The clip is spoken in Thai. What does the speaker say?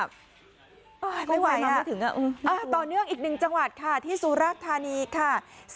ไม่ไหวมาไม่ถึงต่อเนื่องอีกหนึ่งจังหวัดค่ะที่สุราชธานีค่ะ